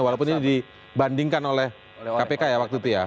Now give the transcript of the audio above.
walaupun ini dibandingkan oleh kpk ya waktu itu ya